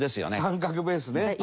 三角ベースね。